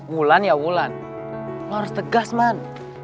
wulan ya wulan lo harus tegas man